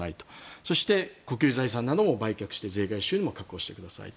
そして、国有財産なども売却して税外収入を確保してくださいと。